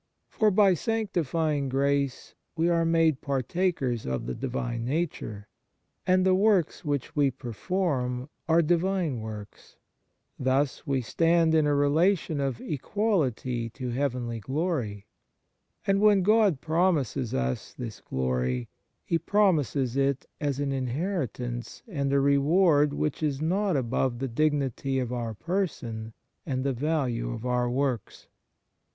For by sanctifying grace we are made par takers of the Divine Nature, and the works which we perform are Divine works; thus we stand in a relation of equality to heavenly glory, and when God promises us this glory He promises it as an inheritance and a reward which is not above the dignity of our person and the value of our works.